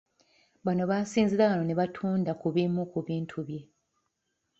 Bano baasinziira wano ne batunda ku bimu ku bintu bye.